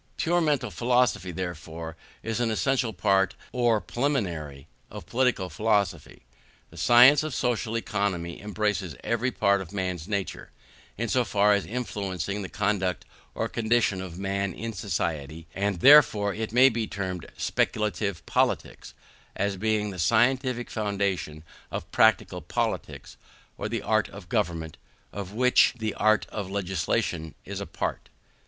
Pure mental philosophy, therefore, is an essential part, or preliminary, of political philosophy. The science of social economy embraces every part of man's nature, in so far as influencing the conduct or condition of man in society; and therefore may it be termed speculative politics, as being the scientific foundation of practical politics, or the art of government, of which the art of legislation is a part.